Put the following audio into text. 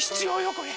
これ。